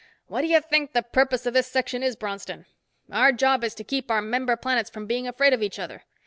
"What do you think the purpose of this Section is, Bronston? Our job is to keep our member planets from being afraid of each other.